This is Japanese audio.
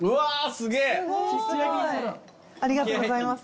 ありがとうございます。